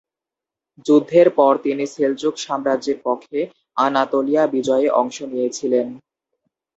যুদ্ধের পরে তিনি সেলজুক সাম্রাজ্যের পক্ষে আনাতোলিয়া বিজয়ে অংশ নিয়েছিলেন।